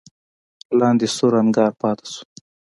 لاندې سور انګار پاتې شو.